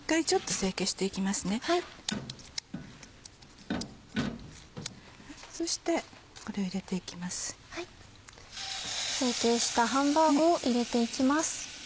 整形したハンバーグを入れていきます。